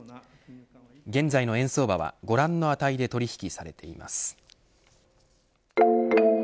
現在の円相場はご覧の値で取引されています。